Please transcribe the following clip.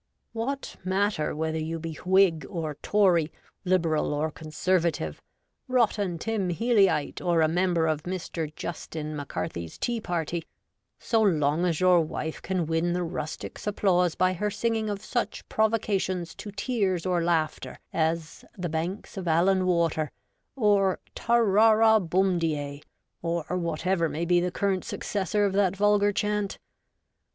What matter whether you be Whig or Tory, Liberal or Conservative, Rotten Tim Healeyite, or a member of Mr. Justin MacCarthy's tea party, so long as your wife can win the rustics' applause by her singing of such provocations to tears or laughter as The Banks of Allan Water or Ta ra ra Booin de ay, or whatever may be the current successor of that vulgar chant